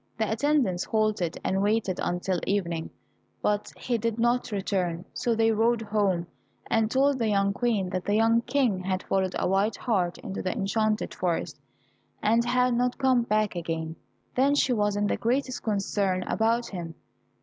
The attendants halted and waited until evening, but he did not return, so they rode home, and told the young Queen that the young King had followed a white hart into the enchanted forest, and had not come back again. Then she was in the greatest concern about him.